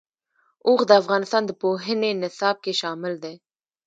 اوښ د افغانستان د پوهنې نصاب کې شامل دي.